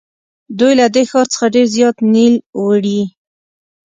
دوی له دې ښار څخه ډېر زیات نیل وړي.